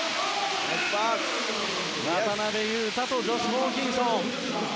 渡邊雄太とジョシュ・ホーキンソン。